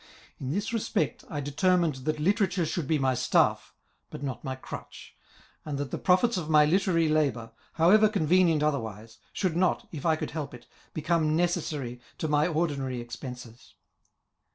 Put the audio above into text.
In th^ respect, I determined that literature should be my staff, but not my crutch, and that the pro fits of my literary labour, however convenient otherwise, should not, if I could help it, become necessary to my Digitized by VjOOQIC LAY OF THE LAST MINSTRKL. 9 ordinary ^penses.